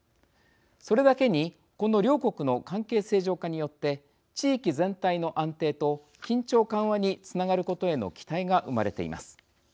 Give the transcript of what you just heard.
それだけに、この両国の関係正常化によって地域全体の安定と緊張緩和につながることへの期待が生まれています。